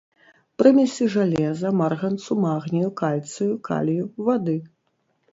Прымесі жалеза, марганцу, магнію, кальцыю, калію, вады.